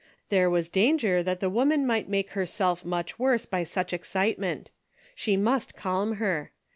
There was danger that the woman might make herself much worse by such excitement. She must calm her.